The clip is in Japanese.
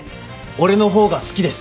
俺の方が好きです